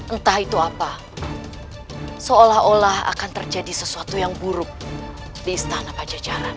entah itu apa seolah olah akan terjadi sesuatu yang buruk di istana pajajaran